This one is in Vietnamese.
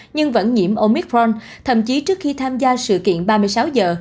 nhưng vẫn nhiễm omicron thậm chí trước khi tham gia sự kiện ba mươi sáu giờ